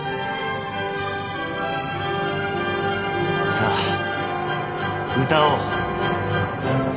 さあ歌おう